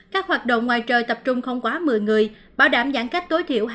các hoạt động ngoài trời tập trung không quá một mươi người bảo đảm giãn cách tối thiểu